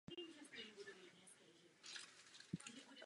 Dolní Galilea patří mezi hustě osídlené regiony státu Izrael.